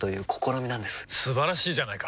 素晴らしいじゃないか！